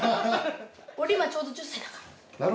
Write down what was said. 俺今ちょうど１０歳だから。